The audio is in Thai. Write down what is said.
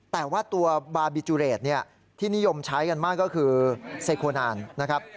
แต่ว่าตัวบาร์บีจุเรทที่นิยมใช้กันมากก็คือไซโคนานนะครับ